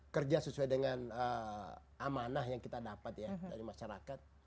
kerja sesuai dengan amanah yang kita dapat ya dari masyarakat